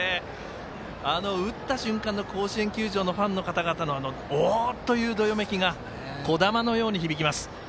打った瞬間の甲子園球場のファンの方々のおおっ！というどよめきがこだまのように響きます。